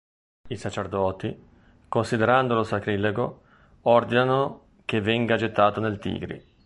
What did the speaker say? I sacerdoti, considerandolo sacrilego, ordinano che venga gettato nel Tigri.